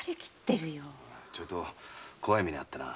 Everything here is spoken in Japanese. ちょいと怖い目に遭ってな。